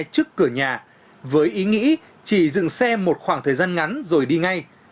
tội phạm đã đi dựng xe trước cửa nhà với ý nghĩ chỉ dựng xe một khoảng thời gian ngắn rồi đi ngay